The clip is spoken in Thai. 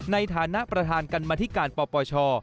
ในฐานะประธานกรรมธิการปปช